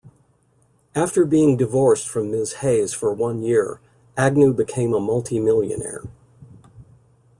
After being divorced from Ms. Hayes for one year, Agnew became a multi-millionaire.